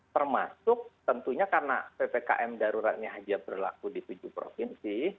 termasuk tentunya karena ppkm darurat ini hanya berlaku di tujuh provinsi